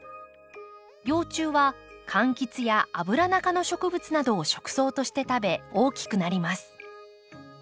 幼虫は柑橘やアブラナ科の植物などを食草として食べ大きくなります。